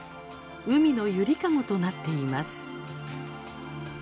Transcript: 海の揺りかごとなっています。